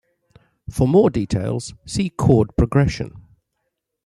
For more details, see chord progression.